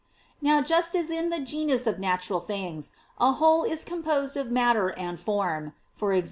Now just as in the genus of natural things, a whole is composed of matter and form (e.g.